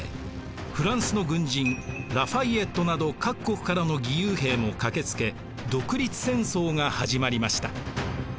フランスの軍人ラ・ファイエットなど各国からの義勇兵も駆けつけ独立戦争が始まりました。